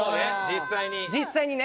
実際にね。